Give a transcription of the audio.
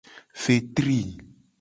Fetri.